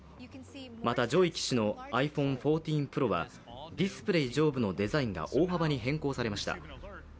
また上位機種のｉＰｈｏｎｅ１４Ｐｒｏはディスプレー上部のデザインが大幅に変更されました。